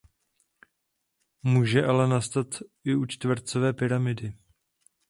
Může ale nastat i u čtvercové pyramidy.